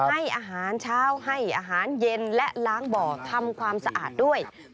ให้อาหารเช้าให้อาหารเย็นและล้างบ่อทำความสะอาดด้วย